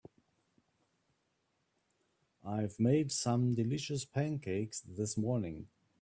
I've made some delicious pancakes this morning.